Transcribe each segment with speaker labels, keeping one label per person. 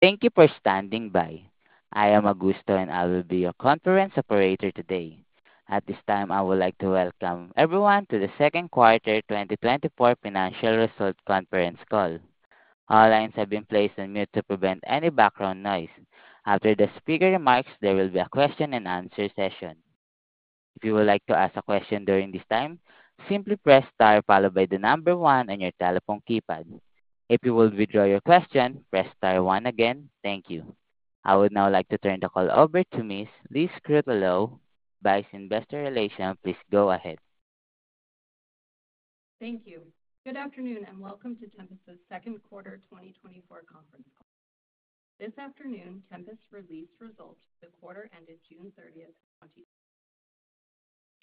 Speaker 1: Thank you for standing by. I am Augusto, and I will be your conference operator today. At this time, I would like to welcome everyone to the second quarter 2024 financial results conference call. All lines have been placed on mute to prevent any background noise. After the speaker remarks, there will be a question-and-answer session. If you would like to ask a question during this time, simply press star followed by the number 1 on your telephone keypad. If you would withdraw your question, press star one again. Thank you. I would now like to turn the call over to Miss Liz Krutoholow, Vice President of Investor Relations. Please go ahead.
Speaker 2: Thank you. Good afternoon, and welcome to Tempus's second quarter 2024 conference call. This afternoon, Tempus released results, the quarter ended June 30th,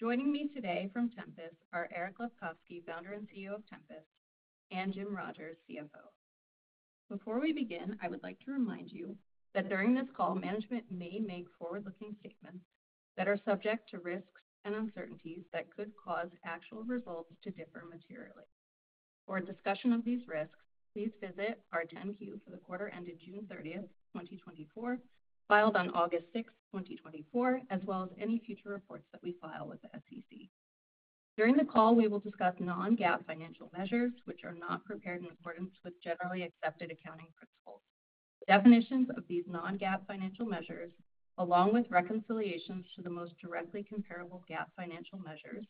Speaker 2: 2024. Joining me today from Tempus are Eric Lefkofsky, founder and CEO of Tempus, and Jim Rogers, CFO. Before we begin, I would like to remind you that during this call, management may make forward-looking statements that are subject to risks and uncertainties that could cause actual results to differ materially. For a discussion of these risks, please visit our 10-Q for the quarter ended June 30th, 2024, filed on August 6th, 2024, as well as any future reports that we file with the SEC. During the call, we will discuss non-GAAP financial measures, which are not prepared in accordance with generally accepted accounting principles. Definitions of these non-GAAP financial measures, along with reconciliations to the most directly comparable GAAP financial measures,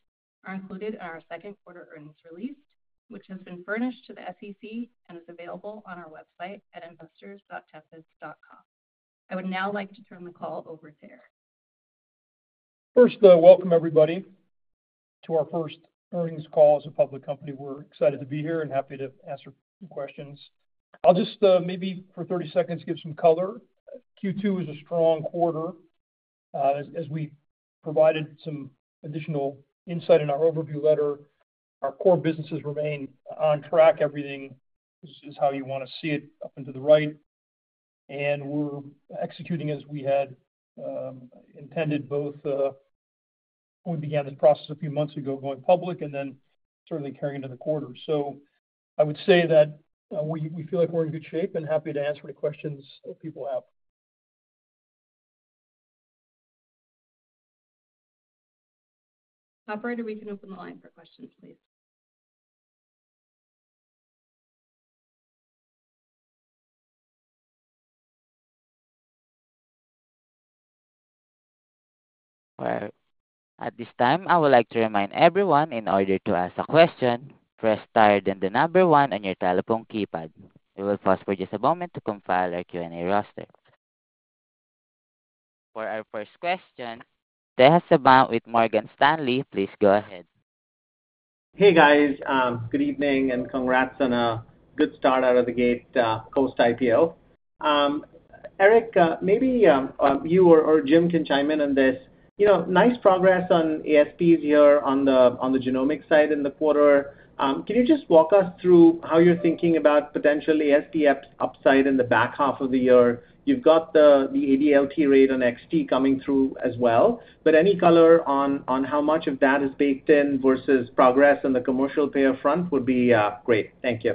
Speaker 2: are included in our second quarter earnings release, which has been furnished to the SEC and is available on our website at investors.tempus.com. I would now like to turn the call over to Eric.
Speaker 3: First, welcome, everybody, to our first earnings call as a public company. We're excited to be here and happy to answer some questions. I'll just, maybe for 30 seconds, give some color. Q2 is a strong quarter. As, as we provided some additional insight in our overview letter, our core businesses remain on track. Everything is, is how you want to see it, up into the right, and we're executing as we had, intended, both, when we began this process a few months ago, going public and then certainly carrying into the quarter. So I would say that, we, we feel like we're in good shape and happy to answer any questions that people have.
Speaker 2: Operator, we can open the line for questions, please.
Speaker 1: Well, at this time, I would like to remind everyone in order to ask a question, press star, then the number one on your telephone keypad. We will pause for just a moment to compile our Q&A roster. For our first question, Tejas Savant with Morgan Stanley, please go ahead.
Speaker 4: Hey, guys, good evening, and congrats on a good start out of the gate, post-IPO. Eric, maybe you or Jim can chime in on this. You know, nice progress on ASPs here on the genomics side in the quarter. Can you just walk us through how you're thinking about potential ASP upside in the back half of the year? You've got the ADLT rate on xT coming through as well, but any color on how much of that is baked in versus progress on the commercial payer front would be great. Thank you.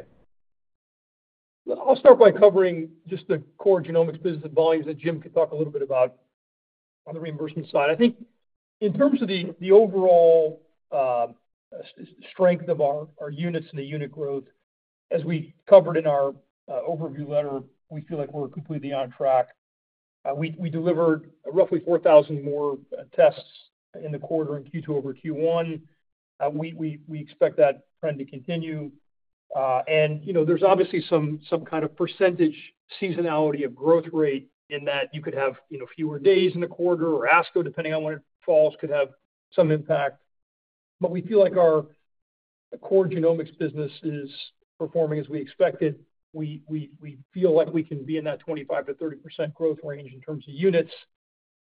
Speaker 3: I'll start by covering just the core genomics business volumes that Jim could talk a little bit about on the reimbursement side. I think in terms of the overall strength of our units and the unit growth, as we covered in our overview letter, we feel like we're completely on track. We expect that trend to continue. And, you know, there's obviously some kind of percentage seasonality of growth rate in that you could have, you know, fewer days in the quarter, or ASCO, depending on when it falls, could have some impact. But we feel like our core genomics business is performing as we expected. We feel like we can be in that 25%-30% growth range in terms of units,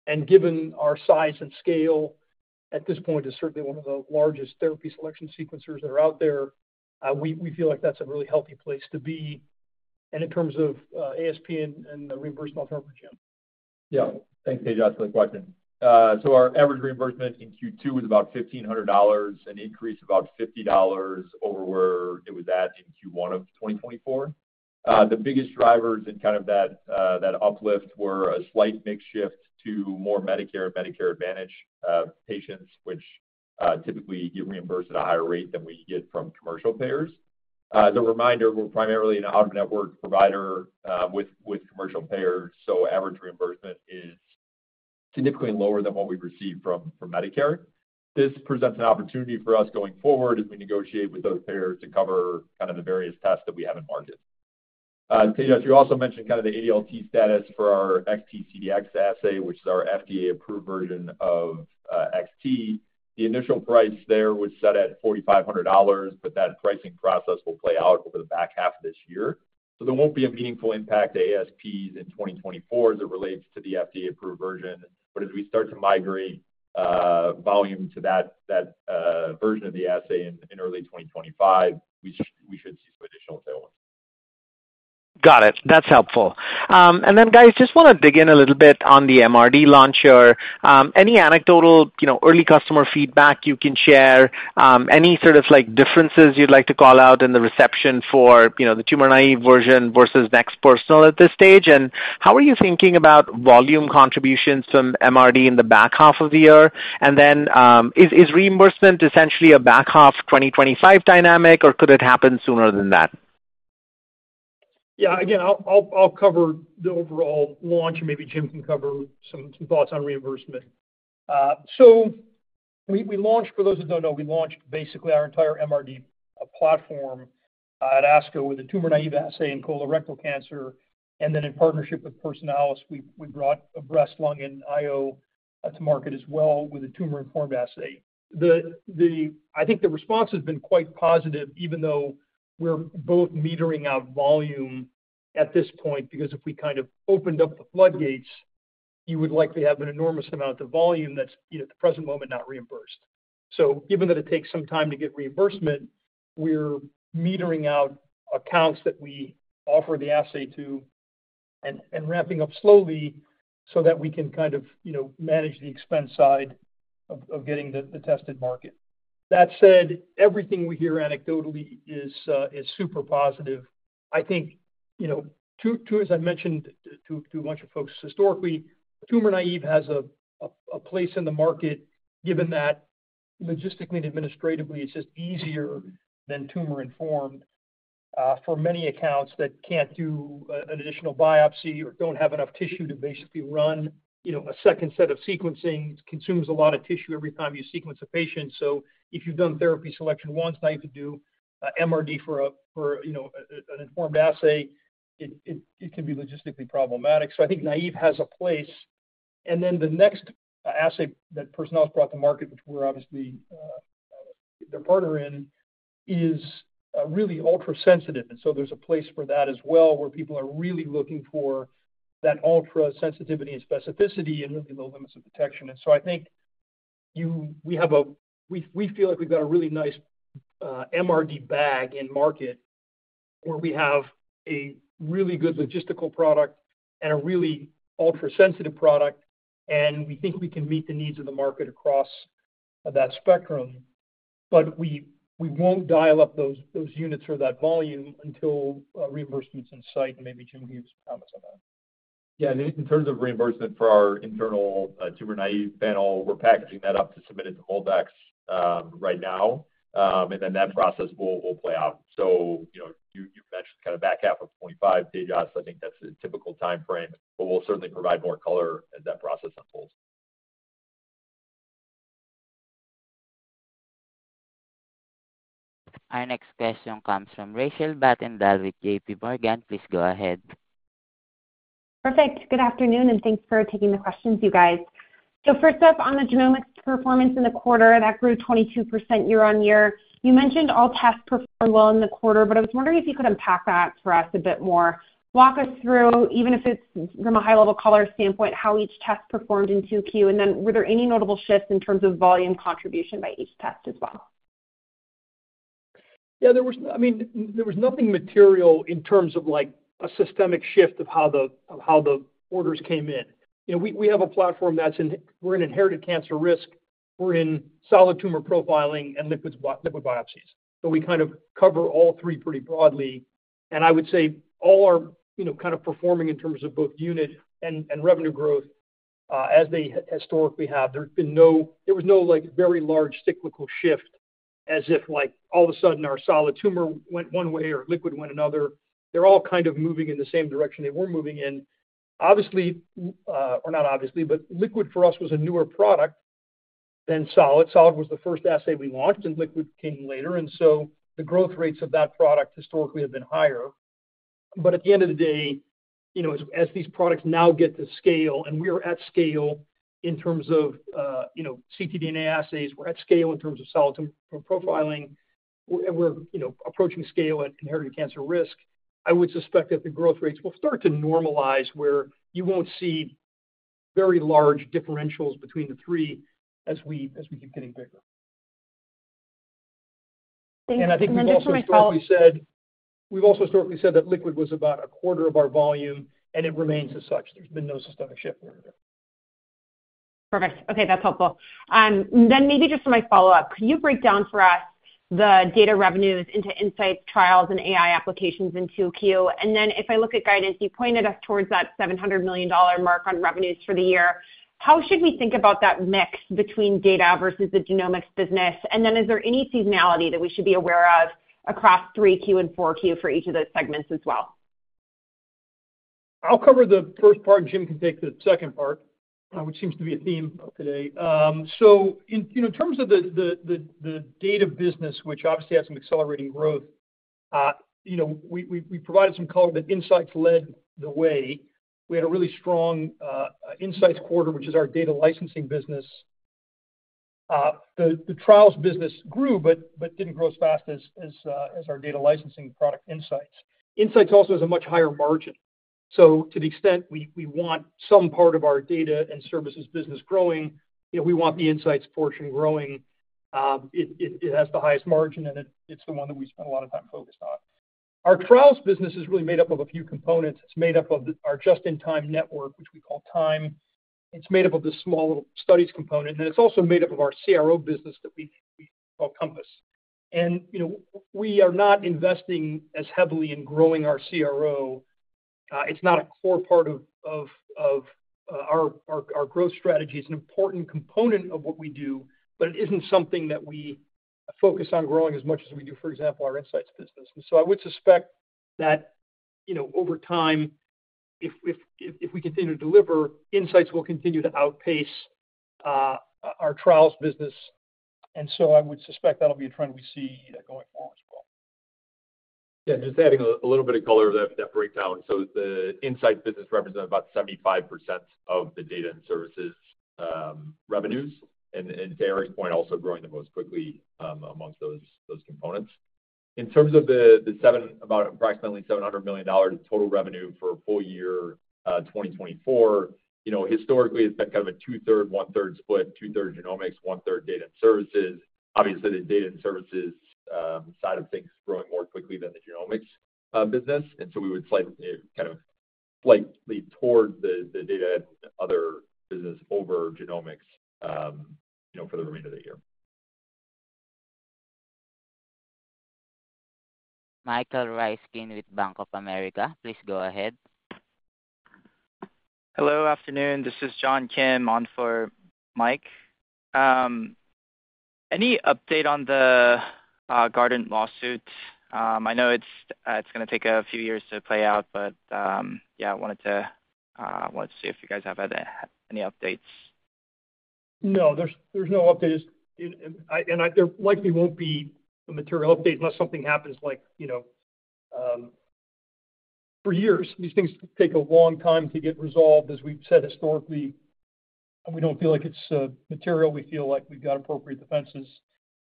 Speaker 3: and given our size and scale at this point is certainly one of the largest therapy selection sequencers that are out there, we feel like that's a really healthy place to be. And in terms of ASP and the reimbursement term for Jim.
Speaker 5: Yeah. Thanks, Tejas, for the question. So our average reimbursement in Q2 was about $1,500, an increase of about $50 over where it was at in Q1 of 2024. The biggest drivers in kind of that, that uplift were a slight mix shift to more Medicare, Medicare Advantage, patients, which, typically you reimburse at a higher rate than we get from commercial payers. As a reminder, we're primarily an out-of-network provider, with, with commercial payers, so average reimbursement is significantly lower than what we've received from, from Medicare. This presents an opportunity for us going forward as we negotiate with those payers to cover kind of the various tests that we have in market. Tejas, you also mentioned kind of the ADLT status for our xT CDx assay, which is our FDA-approved version of, xT. The initial price there was set at $4,500, but that pricing process will play out over the back half of this year. So there won't be a meaningful impact to ASPs in 2024 as it relates to the FDA-approved version. But as we start to migrate volume to that version of the assay in early 2025, we should see some additional tailwind.
Speaker 4: Got it. That's helpful. And then, guys, just wanna dig in a little bit on the MRD launcher. Any anecdotal, you know, early customer feedback you can share? Any sort of, like, differences you'd like to call out in the reception for, you know, the Tumor-Naive version versus NeXT Personal at this stage? And how are you thinking about volume contributions from MRD in the back half of the year? And then, is reimbursement essentially a back half 2025 dynamic, or could it happen sooner than that?
Speaker 3: Yeah. Again, I'll cover the overall launch, and maybe Jim can cover some thoughts on reimbursement. So we launched... For those that don't know, we launched basically our entire MRD platform at ASCO with a tumor-naive assay in colorectal cancer, and then in partnership with Personalis, we brought a breast, lung, and IO to market as well with a tumor-informed assay. The-- I think the response has been quite positive, even though we're both metering out volume at this point, because if we kind of opened up the floodgates, you would likely have an enormous amount of volume that's, you know, at the present moment, not reimbursed. So given that it takes some time to get reimbursement, we're metering out accounts that we offer the assay to and ramping up slowly so that we can kind of, you know, manage the expense side of getting the tested market. That said, everything we hear anecdotally is super positive. I think, you know, to as I mentioned to a bunch of folks, historically, tumor-naive has a place in the market, given that logistically and administratively, it's just easier than tumor-informed for many accounts that can't do an additional biopsy or don't have enough tissue to basically run, you know, a second set of sequencing. It consumes a lot of tissue every time you sequence a patient. So if you've done therapy selection once, now you have to do a MRD for, you know, an informed assay. It can be logistically problematic, so I think naive has a place. And then the next assay that Personalis brought to market, which we're obviously their partner in, is really ultrasensitive, and so there's a place for that as well, where people are really looking for that ultra sensitivity and specificity and really low limits of detection. And so I think we feel like we've got a really nice MRD bag in market, where we have a really good logistical product and a really ultrasensitive product, and we think we can meet the needs of the market across that spectrum. But we won't dial up those units or that volume until reimbursement's in sight, and maybe Jim can give some comments on that.
Speaker 5: Yeah, in terms of reimbursement for our internal tumor-naive panel, we're packaging that up to submit it to MolDX right now, and then that process will play out. So, you know, you mentioned kind of back half of 2025, Tejas. I think that's a typical timeframe, but we'll certainly provide more color as that process unfolds.
Speaker 1: Our next question comes from Rachel Vatnsdal with JPMorgan. Please go ahead.
Speaker 6: Perfect. Good afternoon, and thanks for taking the questions, you guys. So first up, on the genomics performance in the quarter, that grew 22% year-over-year. You mentioned all tests performed well in the quarter, but I was wondering if you could unpack that for us a bit more. Walk us through, even if it's from a high-level color standpoint, how each test performed in 2Q. And then were there any notable shifts in terms of volume contribution by each test as well?
Speaker 3: Yeah, there was, I mean, there was nothing material in terms of, like, a systemic shift of how the orders came in. You know, we have a platform that's in. We're in inherited cancer risk, we're in solid tumor profiling, and liquid biopsies. So we kind of cover all three pretty broadly, and I would say all are, you know, kind of performing in terms of both unit and revenue growth as they historically have. There was no, like, very large cyclical shift as if, like, all of a sudden, our solid tumor went one way or liquid went another. They're all kind of moving in the same direction they were moving in. Obviously, or not obviously, but liquid for us was a newer product than solid. Solid was the first assay we launched, and liquid came later, and so the growth rates of that product historically have been higher. But at the end of the day, you know, as these products now get to scale, and we are at scale in terms of, you know, ctDNA assays, we're at scale in terms of solid tumor profiling, we're, you know, approaching scale at inherited cancer risk, I would suspect that the growth rates will start to normalize, where you won't see very large differentials between the three as we keep getting bigger.
Speaker 6: Thank you.
Speaker 3: And I think we've also historically said that liquid was about a quarter of our volume, and it remains as such. There's been no systemic shift there.
Speaker 6: Perfect. Okay, that's helpful. Then maybe just for my follow-up, could you break down for us the data revenues into insights, trials, and AI applications in 2Q? And then if I look at guidance, you pointed us towards that $700 million mark on revenues for the year. How should we think about that mix between data versus the genomics business? And then is there any seasonality that we should be aware of across 3Q and 4Q for each of those segments as well?
Speaker 3: I'll cover the first part, and Jim can take the second part, which seems to be a theme today. So in, you know, in terms of the data business, which obviously has some accelerating growth, you know, we provided some color that Insights led the way. We had a really strong Insights quarter, which is our data licensing business. The trials business grew, but didn't grow as fast as our data licensing product Insights. Insights also has a much higher margin. So to the extent we want some part of our data and services business growing, you know, we want the Insights portion growing. It has the highest margin, and it's the one that we spend a lot of time focused on. Our trials business is really made up of a few components. It's made up of our just-in-time network, which we call TIME. It's made up of the small little studies component, and it's also made up of our CRO business that we call Compass. And, you know, we are not investing as heavily in growing our CRO. It's not a core part of our growth strategy. It's an important component of what we do, but it isn't something that we focus on growing as much as we do, for example, our insights business. And so I would suspect that, you know, over time, if we continue to deliver, insights will continue to outpace our trials business. And so I would suspect that'll be a trend we see going forward as well.
Speaker 5: Yeah, just adding a little bit of color to that breakdown. So the Insights business represent about 75% of the data and services revenues, and to Eric's point, also growing the most quickly amongst those components. In terms of about approximately $700 million in total revenue for full year 2024, you know, historically, it's been kind of a 2/3, 1/3 split, 2/3 genomics, 1/3 data and services. Obviously, the data and services side of things is growing more quickly than the genomics business, and so we would slightly, kind of, slightly toward the data and other business over genomics, you know, for the remainder of the year.
Speaker 1: Michael Ryskin with Bank of America, please go ahead.
Speaker 7: Hello, afternoon, this is John Kim on for Mike. Any update on the Guardant lawsuit? I know it's gonna take a few years to play out, but yeah, I wanted to see if you guys have had any updates.
Speaker 3: No, there's no updates. There likely won't be a material update unless something happens like, you know... For years, these things take a long time to get resolved, as we've said historically, and we don't feel like it's material. We feel like we've got appropriate defenses,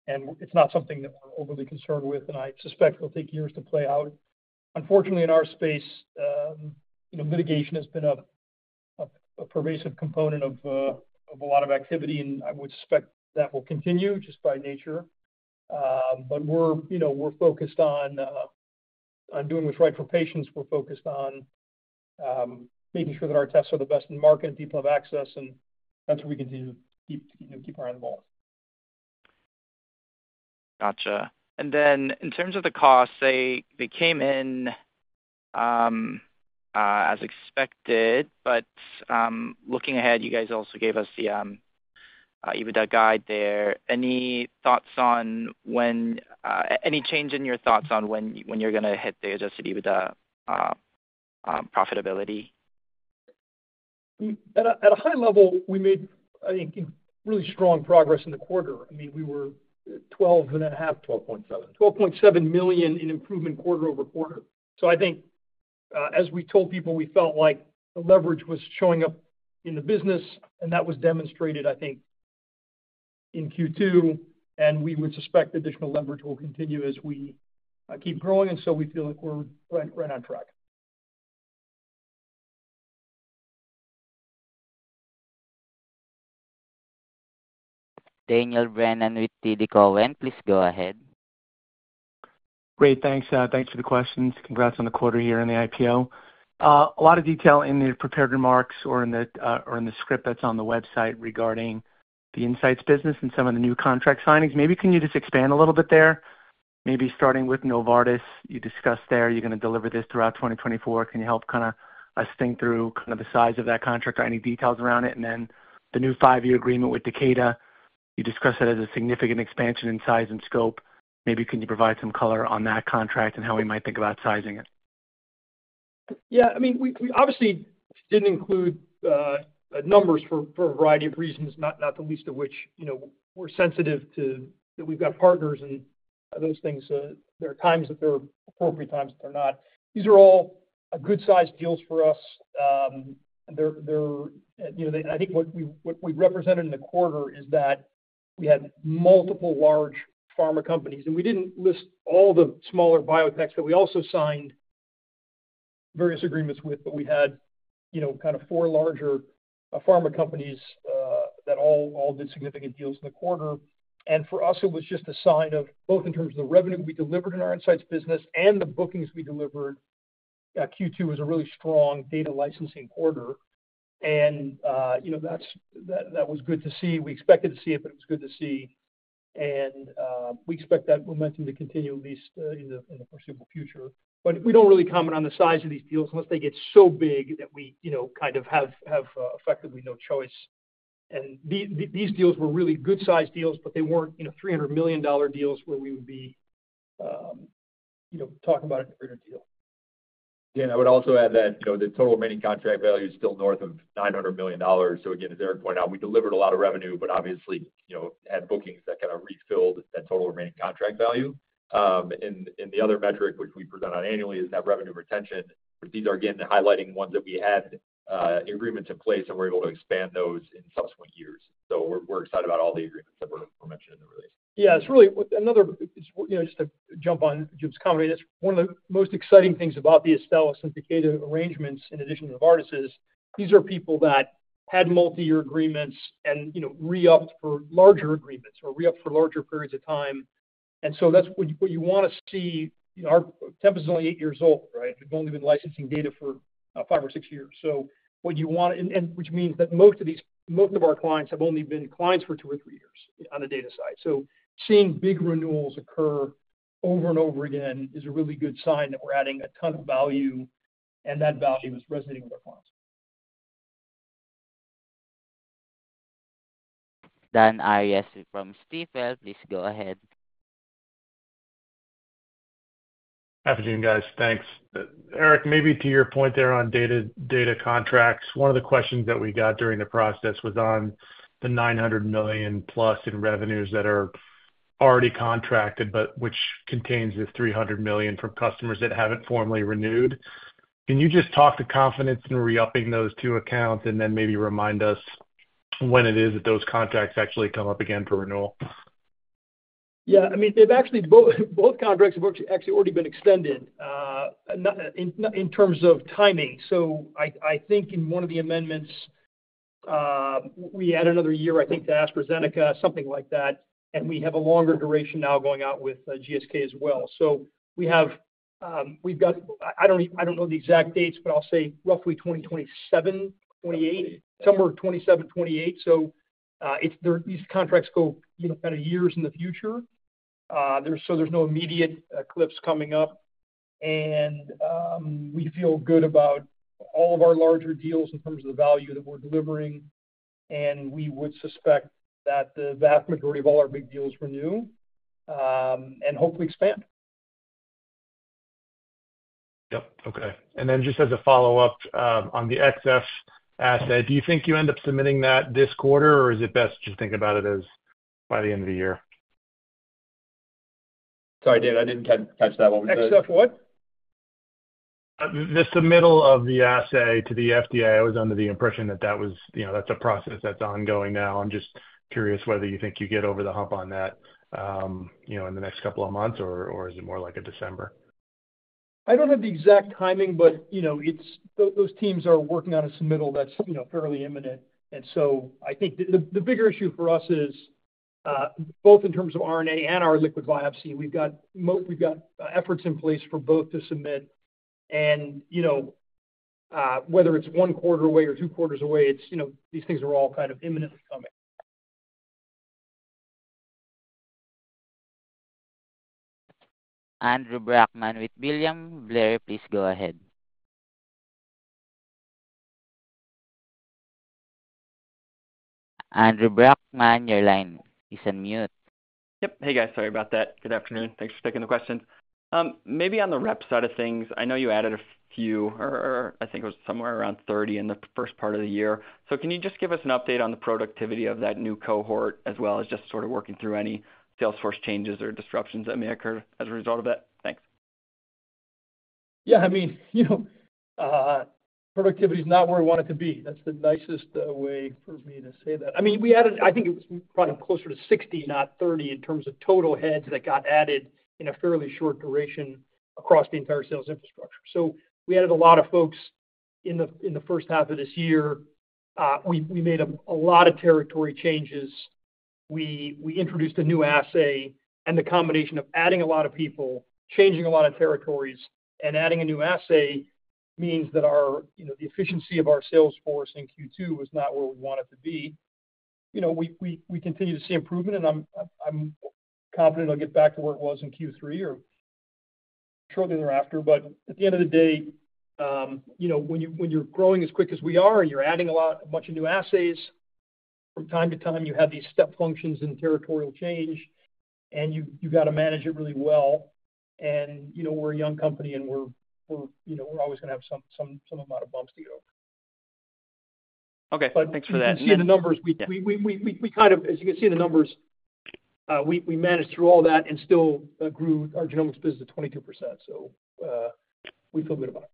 Speaker 3: and it's not something that we're overly concerned with, and I suspect it'll take years to play out. Unfortunately, in our space, you know, litigation has been a pervasive component of a lot of activity, and I would suspect that will continue just by nature. But we're, you know, focused on doing what's right for patients. We're focused on making sure that our tests are the best in the market, and people have access, and that's what we continue to keep, you know, keep our eye on the ball.
Speaker 7: Gotcha. And then in terms of the costs, they came in as expected, but looking ahead, you guys also gave us the EBITDA guide there. Any thoughts on when any change in your thoughts on when you're gonna hit the Adjusted EBITDA profitability?
Speaker 3: At a high level, we made, I think, really strong progress in the quarter. I mean, we were $12.7 million in improvement quarter over quarter. So I think, as we told people, we felt like the leverage was showing up in the business, and that was demonstrated, I think, in Q2, and we would suspect additional leverage will continue as we keep growing, and so we feel like we're right, right on track.
Speaker 1: Dan Brennan with TD Cowen. Please go ahead.
Speaker 8: Great, thanks, thanks for the questions. Congrats on the quarter here and the IPO. A lot of detail in the prepared remarks or in the, or in the script that's on the website regarding the Insights business and some of the new contract signings. Maybe can you just expand a little bit there? Maybe starting with Novartis, you discussed there, you're gonna deliver this throughout 2024. Can you help kind of us think through kind of the size of that contract or any details around it? And then the new five-year agreement with Takeda, you discussed that as a significant expansion in size and scope. Maybe can you provide some color on that contract and how we might think about sizing it?
Speaker 3: Yeah, I mean, we obviously didn't include numbers for a variety of reasons, not the least of which, you know, we're sensitive to that we've got partners and those things. There are times that they're appropriate, times that they're not. These are all good-sized deals for us. They're, you know, I think what we represented in the quarter is that we had multiple large pharma companies, and we didn't list all the smaller biotechs, but we also signed various agreements with, but we had, you know, kind of four larger pharma companies that all did significant deals in the quarter. And for us, it was just a sign of both in terms of the revenue we delivered in our Insights business and the bookings we delivered. Q2 was a really strong data licensing quarter, and you know, that was good to see. We expected to see it, but it was good to see, and we expect that momentum to continue at least in the foreseeable future. But we don't really comment on the size of these deals unless they get so big that we, you know, kind of have effectively no choice. And these deals were really good-sized deals, but they weren't, you know, $300 million deals where we would be talking about a bigger deal.
Speaker 5: Yeah, and I would also add that, you know, the total remaining contract value is still north of $900 million. So again, as Eric pointed out, we delivered a lot of revenue, but obviously, you know, had bookings that kind of refilled that total remaining contract value. And the other metric, which we present on annually, is that revenue retention. These are, again, highlighting ones that we had agreements in place and were able to expand those in subsequent years. So we're excited about all the agreements that were mentioned in the release.
Speaker 3: Yeah, it's really another, you know, just to jump on Jim's commentary, that's one of the most exciting things about the Astellas and Takeda arrangements, in addition to Novartis, is these are people that had multi-year agreements and, you know, re-upped for larger agreements or re-upped for larger periods of time. And so that's what you, what you wanna see. Our Tempus is only eight years old, right? We've only been licensing data for five or six years. So what you want, and which means that most of our clients have only been clients for two or three years on the data side. So seeing big renewals occur over and over again is a really good sign that we're adding a ton of value, and that value is resonating with our clients.
Speaker 1: Dan Arias from Stifel, please go ahead.
Speaker 9: Afternoon, guys. Thanks. Eric, maybe to your point there on data, data contracts, one of the questions that we got during the process was on the $900 million+ in revenues that are already contracted, but which contains the $300 million from customers that haven't formally renewed. Can you just talk to confidence in re-upping those two accounts, and then maybe remind us when it is that those contracts actually come up again for renewal?
Speaker 3: Yeah, I mean, they've actually, both contracts have actually already been extended, not in terms of timing. So I think in one of the amendments, we add another year, I think, to AstraZeneca, something like that, and we have a longer duration now going out with GSK as well. So we have, we've got. I don't know the exact dates, but I'll say roughly 2027, 2028, somewhere 2027, 2028. So, it's there. These contracts go, you know, kind of years in the future. So there's no immediate cliffs coming up, and we feel good about all of our larger deals in terms of the value that we're delivering, and we would suspect that the vast majority of all our big deals renew, and hopefully expand.
Speaker 9: Yep. Okay. And then just as a follow-up, on the xF assay, do you think you end up submitting that this quarter, or is it best to think about it as by the end of the year?
Speaker 3: Sorry, Dan, I didn't catch that one.
Speaker 9: The submittal of the assay to the FDA, I was under the impression that that was, you know, that's a process that's ongoing now. I'm just curious whether you think you get over the hump on that, you know, in the next couple of months, or is it more like a December?
Speaker 3: I don't have the exact timing, but, you know, those teams are working on a submittal that's, you know, fairly imminent. And so I think the bigger issue for us is both in terms of RNA and our liquid biopsy. We've got efforts in place for both to submit, and, you know, whether it's one quarter away or two quarters away, it's, you know, these things are all kind of imminently coming.
Speaker 1: Andrew Brackmann with William Blair, please go ahead. Andrew Brackmann, your line is on mute.
Speaker 10: Yep. Hey, guys, sorry about that. Good afternoon. Thanks for taking the questions. Maybe on the rep side of things, I know you added a few, or I think it was somewhere around 30 in the first part of the year. So can you just give us an update on the productivity of that new cohort, as well as just sort of working through any sales force changes or disruptions that may occur as a result of that? Thanks.
Speaker 3: Yeah, I mean, you know, productivity is not where we want it to be. That's the nicest way for me to say that. I mean, we added I think it was probably closer to 60, not 30, in terms of total heads that got added in a fairly short duration across the entire sales infrastructure. So we added a lot of folks in the first half of this year. We made a lot of territory changes. We introduced a new assay, and the combination of adding a lot of people, changing a lot of territories, and adding a new assay means that our, you know, the efficiency of our sales force in Q2 was not where we want it to be. You know, we continue to see improvement, and I'm confident it'll get back to where it was in Q3 or shortly thereafter. But at the end of the day, you know, when you're growing as quick as we are, and you're adding a lot, a bunch of new assays, from time to time, you have these step functions and territorial change, and you got to manage it really well. And, you know, we're a young company, and we're, you know, we're always gonna have some amount of bumps to go.
Speaker 10: Okay, thanks for that.
Speaker 3: But you can see the numbers.
Speaker 10: Yeah.
Speaker 3: We kind of, as you can see the numbers, we managed through all that and still grew our genomics business to 22%, so we feel good about it.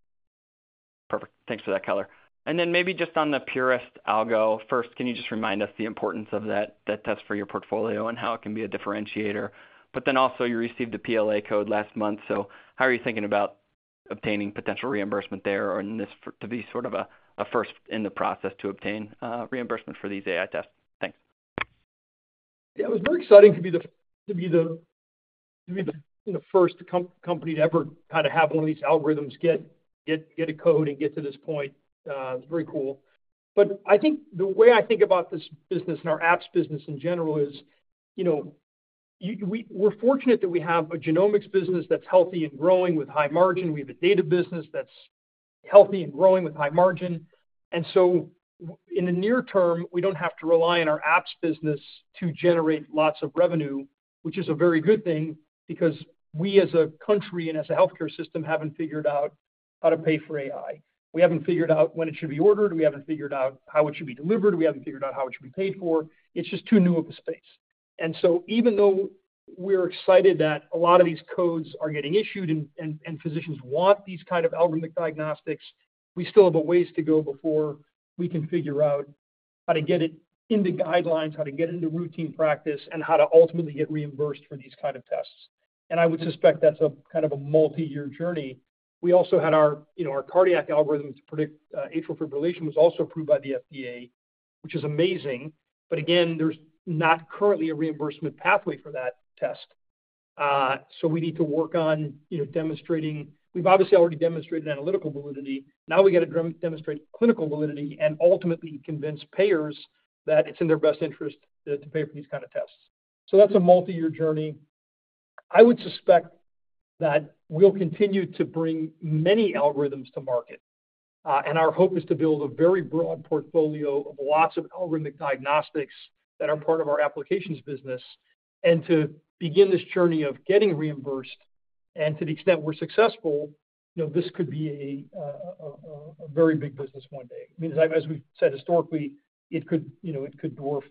Speaker 10: Perfect. Thanks for that color. And then maybe just on the PurIST algo. First, can you just remind us the importance of that, that test for your portfolio and how it can be a differentiator? But then also you received a PLA code last month, so how are you thinking about obtaining potential reimbursement there or in this to be sort of a, a first in the process to obtain, reimbursement for these AI tests? Thanks.
Speaker 3: Yeah, it was very exciting to be the, you know, first company to ever kinda have one of these algorithms get a code and get to this point. It's very cool. But I think the way I think about this business and our apps business in general is, you know, we're fortunate that we have a genomics business that's healthy and growing with high margin. We have a data business that's healthy and growing with high margin. And so in the near term, we don't have to rely on our apps business to generate lots of revenue, which is a very good thing, because we, as a country and as a healthcare system, haven't figured out how to pay for AI. We haven't figured out when it should be ordered. We haven't figured out how it should be delivered. We haven't figured out how it should be paid for. It's just too new of a space. And so even though we're excited that a lot of these codes are getting issued and physicians want these kind of algorithmic diagnostics, we still have a ways to go before we can figure out how to get it in the guidelines, how to get into routine practice, and how to ultimately get reimbursed for these kind of tests. And I would suspect that's a kind of a multi-year journey.... We also had our, you know, our cardiac algorithm to predict atrial fibrillation was also approved by the FDA, which is amazing. But again, there's not currently a reimbursement pathway for that test. So we need to work on, you know, demonstrating... We've obviously already demonstrated analytical validity. Now we gotta demonstrate clinical validity and ultimately convince payers that it's in their best interest to pay for these kind of tests. So that's a multi-year journey. I would suspect that we'll continue to bring many algorithms to market, and our hope is to build a very broad portfolio of lots of algorithmic diagnostics that are part of our applications business, and to begin this journey of getting reimbursed, and to the extent we're successful, you know, this could be a very big business one day. I mean, as we've said, historically, it could, you know, it could dwarf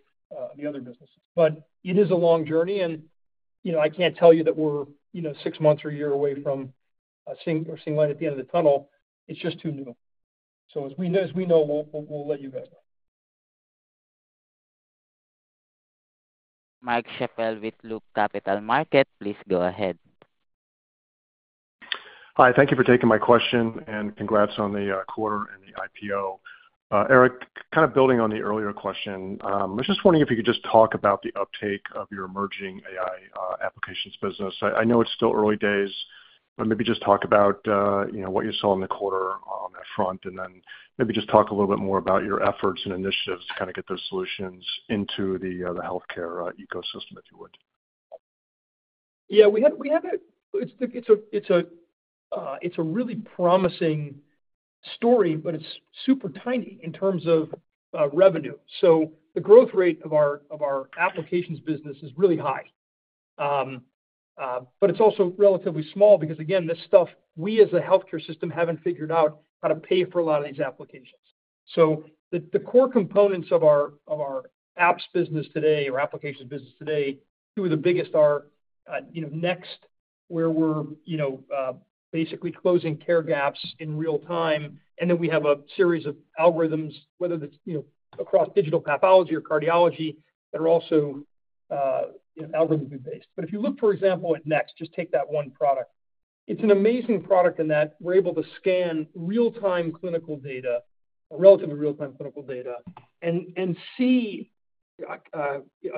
Speaker 3: the other businesses. But it is a long journey, and, you know, I can't tell you that we're, you know, six months or a year away from seeing light at the end of the tunnel. It's just too new. So as we know, we'll let you guys know.
Speaker 1: Mark Schappel with Loop Capital Markets, please go ahead.
Speaker 11: Hi, thank you for taking my question, and congrats on the quarter and the IPO. Eric, kind of building on the earlier question, I was just wondering if you could just talk about the uptake of your emerging AI applications business. I know it's still early days, but maybe just talk about, you know, what you saw in the quarter on that front, and then maybe just talk a little bit more about your efforts and initiatives to kinda get those solutions into the healthcare ecosystem, if you would.
Speaker 3: Yeah, we have a—it's a really promising story, but it's super tiny in terms of revenue. So the growth rate of our applications business is really high. But it's also relatively small because, again, this stuff, we as a healthcare system haven't figured out how to pay for a lot of these applications. So the core components of our apps business today or applications business today, two of the biggest are, you know, Next, where we're, you know, basically closing care gaps in real time. And then we have a series of algorithms, whether that's, you know, across digital pathology or cardiology, that are also algorithm-based. But if you look, for example, at Next, just take that one product. It's an amazing product in that we're able to scan real-time clinical data, relatively real-time clinical data, and see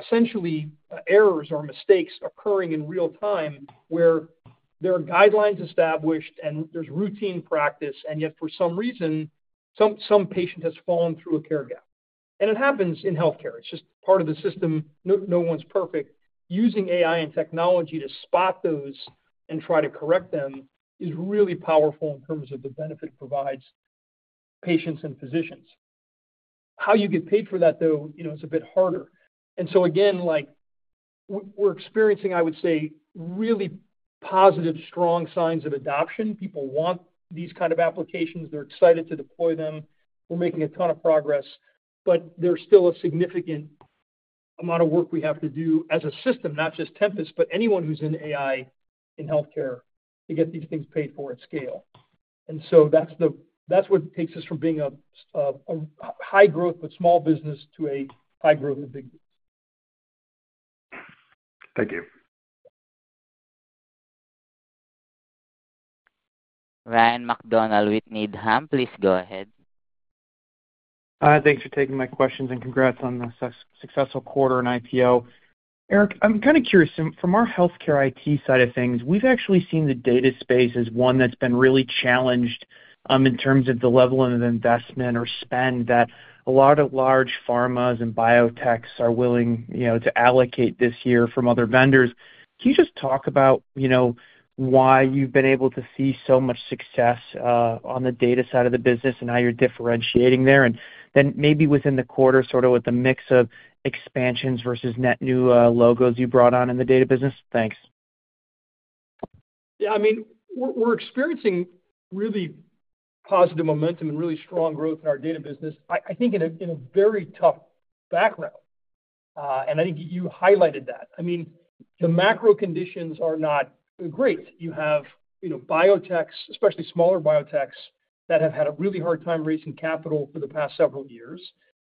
Speaker 3: essentially errors or mistakes occurring in real time, where there are guidelines established and there's routine practice, and yet for some reason, some patient has fallen through a care gap. And it happens in healthcare. It's just part of the system. No one's perfect. Using AI and technology to spot those and try to correct them is really powerful in terms of the benefit it provides patients and physicians. How you get paid for that, though, you know, is a bit harder. And so again, like, we're experiencing, I would say, really positive, strong signs of adoption. People want these kind of applications. They're excited to deploy them. We're making a ton of progress, but there's still a significant amount of work we have to do as a system, not just Tempus, but anyone who's in AI in healthcare, to get these things paid for at scale. And so that's what takes us from being a high growth but small business to a high growth but big business.
Speaker 11: Thank you.
Speaker 1: Ryan MacDonald with Needham. Please go ahead.
Speaker 12: Thanks for taking my questions, and congrats on the successful quarter and IPO. Eric, I'm kind of curious, from our healthcare IT side of things, we've actually seen the data space as one that's been really challenged, in terms of the level of investment or spend that a lot of large pharmas and biotechs are willing, you know, to allocate this year from other vendors. Can you just talk about, you know, why you've been able to see so much success, on the data side of the business and how you're differentiating there? And then maybe within the quarter, sort of with the mix of expansions versus net new, logos you brought on in the data business. Thanks.
Speaker 3: Yeah, I mean, we're experiencing really positive momentum and really strong growth in our data business. I think in a very tough background. And I think you highlighted that. I mean, the macro conditions are not great. You have, you know, biotechs, especially smaller biotechs, that have had a really hard time raising capital for the past several years,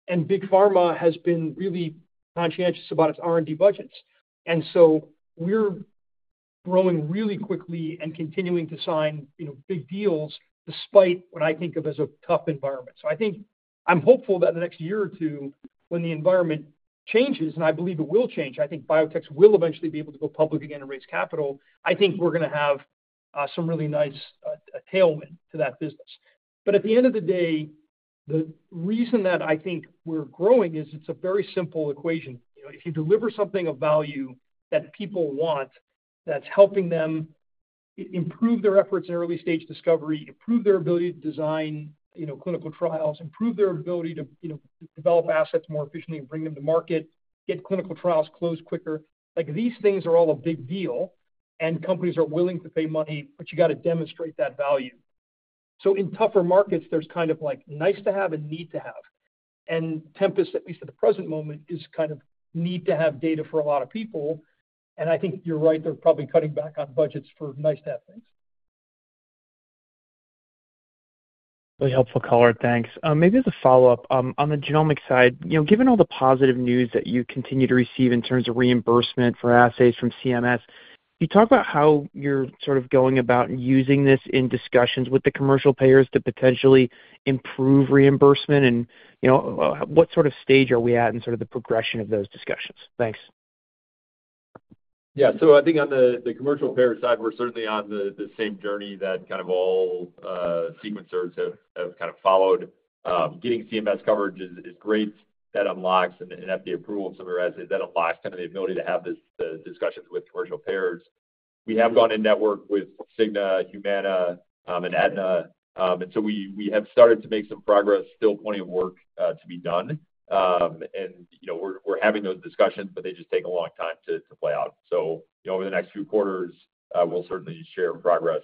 Speaker 3: and big pharma has been really conscientious about its R&D budgets. And so we're growing really quickly and continuing to sign, you know, big deals despite what I think of as a tough environment. So I think I'm hopeful that in the next year or two, when the environment changes, and I believe it will change, I think biotechs will eventually be able to go public again and raise capital. I think we're gonna have some really nice tailwind to that business. But at the end of the day, the reason that I think we're growing is it's a very simple equation. You know, if you deliver something of value that people want, that's helping them improve their efforts in early-stage discovery, improve their ability to design, you know, clinical trials, improve their ability to, you know, develop assets more efficiently and bring them to market, get clinical trials closed quicker. Like, these things are all a big deal, and companies are willing to pay money, but you got to demonstrate that value. So in tougher markets, there's kind of like, nice to have and need to have. And Tempus, at least at the present moment, is kind of need to have data for a lot of people, and I think you're right, they're probably cutting back on budgets for nice to have things.
Speaker 12: Really helpful color. Thanks. Maybe as a follow-up, on the genomic side, you know, given all the positive news that you continue to receive in terms of reimbursement for assays from CMS, can you talk about how you're sort of going about using this in discussions with the commercial payers to potentially improve reimbursement? And, you know, what sort of stage are we at in sort of the progression of those discussions? Thanks.
Speaker 5: Yeah. So I think on the commercial payer side, we're certainly on the same journey that kind of all sequencers have kind of followed. Getting CMS coverage is great. That unlocks an FDA approval of some of our assays. That unlocks kind of the ability to have this, the discussions with commercial payers. We have gone in-network with Cigna, Humana, and Aetna. And so we have started to make some progress, still plenty of work to be done. And, you know, we're having those discussions, but they just take a long time to play out. So, you know, over the next few quarters, we'll certainly share progress-